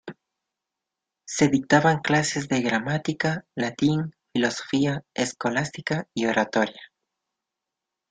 Se dictaban clases de Gramática, Latín, filosofía escolástica y Oratoria.